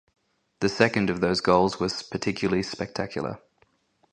The second of those goals was particularly spectacular.